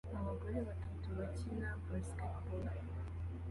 Abagore batatu bakina basketball